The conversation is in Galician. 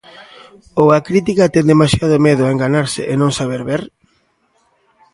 Ou a crítica ten demasiado medo a enganarse e non saber ver?